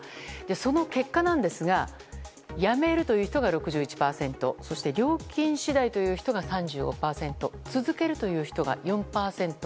その結果ですがやめるという人が６１％そして料金次第という人が３５％続けるという人が４％。